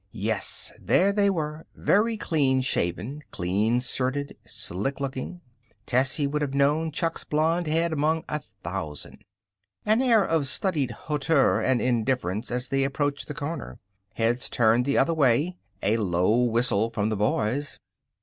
Yes, there they were, very clean shaven, clean shirted, slick looking. Tessie would have known Chuck's blond head among a thousand. An air of studied hauteur and indifference as they approached the corner. Heads turned the other way. A low whistle from the boys.